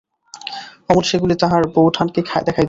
অমল সেগুলি তাহার বউঠানকে দেখাইত।